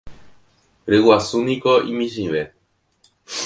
Ryguasúniko imichĩve.